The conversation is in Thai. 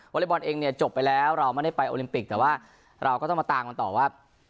อเล็กบอลเองเนี่ยจบไปแล้วเราไม่ได้ไปโอลิมปิกแต่ว่าเราก็ต้องมาตามกันต่อว่า